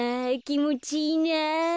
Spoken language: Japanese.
きもちいいな。